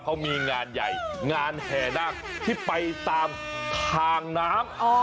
เขามีงานใหญ่งานแห่นาคที่ไปตามทางน้ำ